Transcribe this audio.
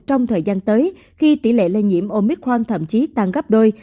trong thời gian tới khi tỷ lệ lây nhiễm omicron thậm chí tăng gấp đôi